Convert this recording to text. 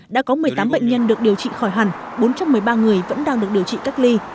đã có một mươi tám bệnh nhân được điều trị khỏi hàn bốn trăm một mươi ba người vẫn đang được điều trị cách ly